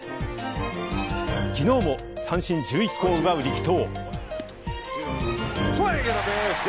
昨日も三振１１個を奪う力投。